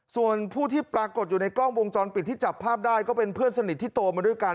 ส่วนผู้ที่ปรากฏอยู่ในกล้องวงจรปิดที่จับภาพได้ก็เป็นเพื่อนสนิทที่โตมาด้วยกัน